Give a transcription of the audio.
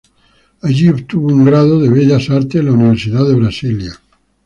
Allí obtuvo un grado en bellas artes en la Universidad de Brasilia.